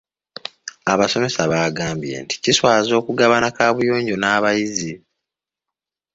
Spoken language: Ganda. Abasomesa baagambye nti kiswaza okugabana kaabuyonjo n'abayizi.